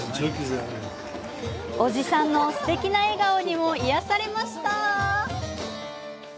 おじさんのすてきな笑顔にも癒やされました。